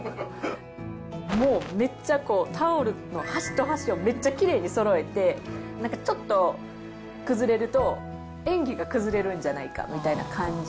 もうめっちゃ、タオルの端と端をめっちゃきれいにそろえて、なんかちょっと崩れると、演技が崩れるんじゃないかみたいな感じ。